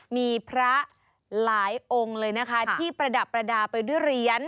มีพระหลายองค์เลยนะคะที่ประดับประดาษไปด้วยเหรียญ